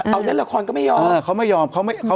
เอาในละครก็ไม่ยอม